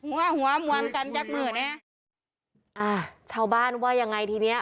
หัวหัวมวลกันยักษ์เหมือนเนี่ยอ่าเช้าบ้านว่ายังไงทีเนี้ย